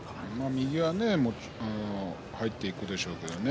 右は入っていくでしょうけどね